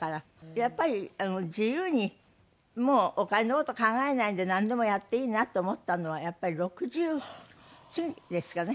やっぱり自由にもうお金の事考えないでなんでもやっていいなと思ったのはやっぱり６０過ぎですかね。